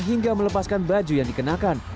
hingga melepaskan baju yang dikenakan